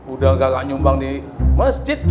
udah gak nyumbang di masjid